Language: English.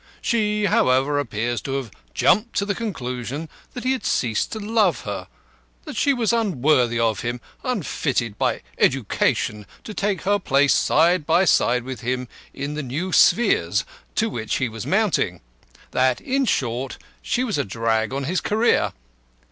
She, however, appears to have jumped to the conclusion that he had ceased to love her, that she was unworthy of him, unfitted by education to take her place side by side with him in the new spheres to which he was mounting that, in short, she was a drag on his career.